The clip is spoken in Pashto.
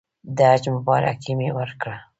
د حج مبارکي مې ورکړه.